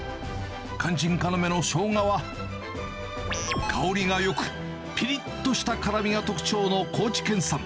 肝心要のショウガは、香りがよく、ぴりっとした辛みが特徴の高知県産。